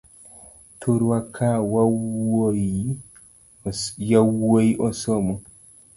Thurwa ka yawuoi osomo.